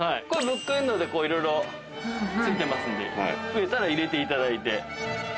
ブックエンドでいろいろついてますんで増えたら入れていただいて。